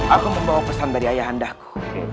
aku membawa pesan dari ayah andaku